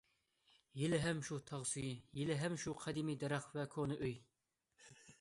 ھېلىھەم شۇ تاغ سۈيى، ھېلىھەم شۇ قەدىمىي دەرەخ ۋە كونا ئۆي.